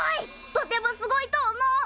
とてもすごいと思う。